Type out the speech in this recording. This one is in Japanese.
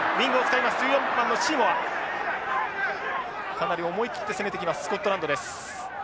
かなり思い切って攻めてきますスコットランドです。